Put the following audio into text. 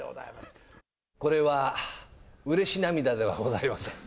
これは、うれし涙ではございません。